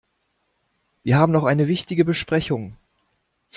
Wir haben noch eine wichtige Besprechung.